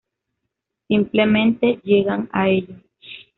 Simplemente, llegan a ello.